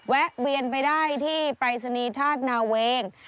แวะเวียนไปได้ที่ปรายศนีย์ธาตุนาเวง